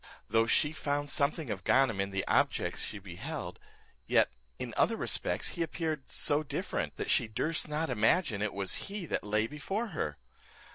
Though she found something of Ganem in the objets she beheld, yet in other respects he appeared so different, that she durst not imagine it was he that lay before her.